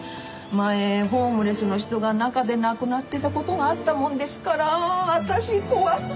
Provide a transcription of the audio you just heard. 前ホームレスの人が中で亡くなってた事があったもんですから私怖くて。